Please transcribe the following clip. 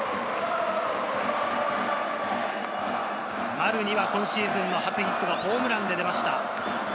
丸には今シーズンの初ヒットがホームランで出ました。